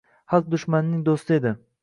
Xalq dushmanining do‘sti edi.